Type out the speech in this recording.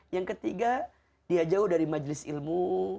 yang ketiga dia jauh dari majelis ilmu